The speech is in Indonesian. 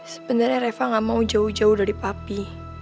sebenarnya reva gak mau jauh jauh dari papi